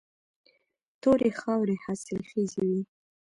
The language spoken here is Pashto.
تورې خاورې حاصلخیزې وي.